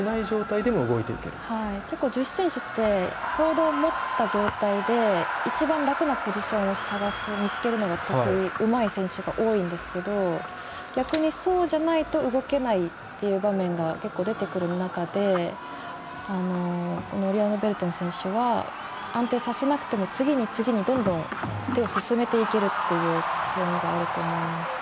結構、女子選手ってホールドを持った状態で一番楽なポジションを見つけるのが、うまい選手が多いんですけど逆にそうじゃないと動けないっていう場面が結構出てくる中でこのベルトン選手は安定させなくても次に次にどんどん手を進めていけるという強みがあると思います。